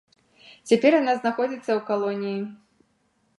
Цяпер яна знаходзіцца ў калоніі.